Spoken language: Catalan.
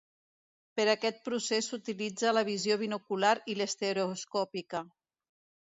Per aquest procés s'utilitza la visió binocular i l'estereoscòpia.